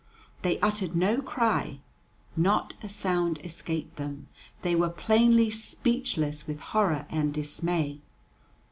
They uttered no cry, not a sound escaped them; they were plainly speechless with horror and dismay.